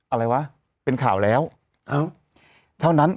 อะไรวะเป็นข่าวแล้วเอ้าเท่านั้น